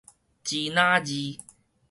支那字